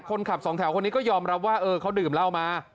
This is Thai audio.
คนขับสองแถวคนนี้ก็ยอมรับว่าเขาดื่มเหล้ามา